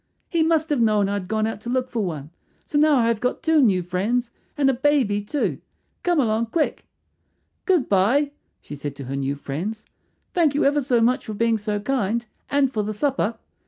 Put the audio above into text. "He must have known I had gone out to look for one. So now I have got two new friends and a baby too. Come along, quick." "Good bye," she said to her new friends. "Thank you ever so much for being so kind, and for the supper.